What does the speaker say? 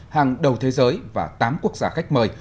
hàng đầu thế giới và tám quốc gia khách mời